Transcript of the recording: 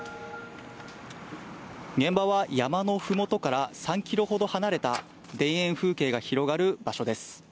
現場は山のふもとから３キロほど離れた田園風景が広がる場所です。